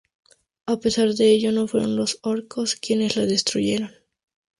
A pesar de ello no fueron los orcos quienes la destruyeron.